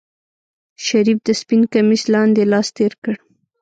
شريف د سپين کميس لاندې لاس تېر کړ.